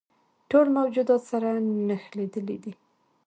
ټول موجودات سره نښلیدلي دي.